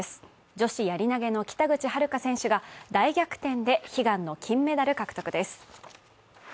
女子やり投げの北口榛花選手が大逆転で悲願の金メダル獲得です。